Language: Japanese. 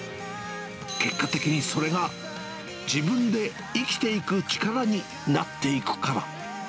結果的にそれが、自分で生きていく力になっていくから。